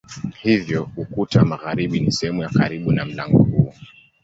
Hivyo ukuta wa magharibi ni sehemu ya karibu na mlango huu.